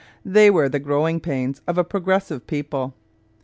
They were the 'growing pains' of a progressive people.